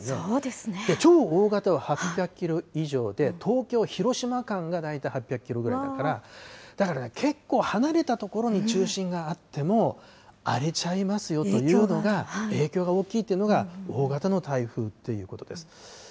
超大型は８００キロ以上で、東京・広島間が大体８００キロぐらいだから、結構離れた所に中心があっても、荒れちゃいますよというのが、影響が大きいというのが、大型の台風っていうことです。